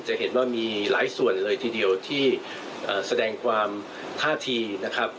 จะเห็นว่ามีหลายส่วนเลยทีเดียวที่แสดงความท่าทีนะครับ